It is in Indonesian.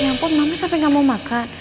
ya ampun mama sampe gak mau makan